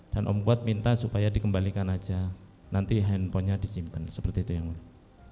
dan om kuat minta supaya dikembalikan saja nanti handphonenya disimpan seperti itu yang mulia